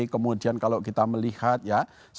kemudian kalau kita melihat ya